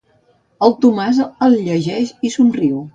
El Tomàs el llegeix i somriu.